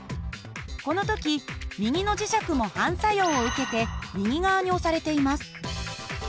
この時右の磁石も反作用を受けて右側に押されています。